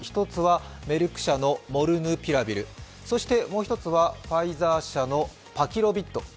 １つはメルク社のモルヌピラビル、そして、もうひとつはファイザー社のパキロビッド。